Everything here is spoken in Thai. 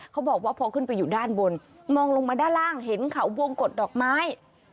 เขาบอกว่าพอขึ้นไปอยู่ด้านบนมองลงมาด้านล่างเห็นเขาวงกฎดอกไม้